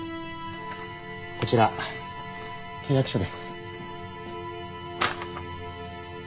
こちら契約書です。